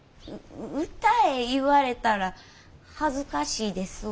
歌え言われたら恥ずかしいですわ。